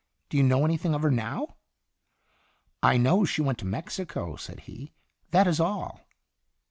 " Do you know anything of her now?" "I know she went to Mexico," said he; "that is all."